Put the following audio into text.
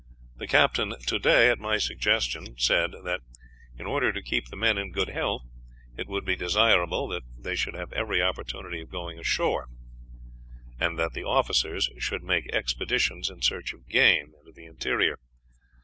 The captain today, at my suggestion, said that, in order to keep the men in good health, it would be desirable that they should have every opportunity of going ashore, and that the officers should make expeditions in search of game into the interior.